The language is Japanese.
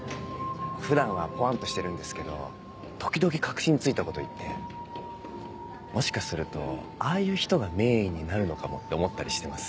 普段はぽわんとしてるんですけど時々核心突いたこと言ってもしかするとああいう人が名医になるのかもって思ったりしてます。